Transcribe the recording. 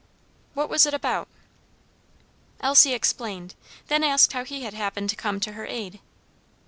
"What was it about?" Elsie explained, then asked how he had happened to come to her aid.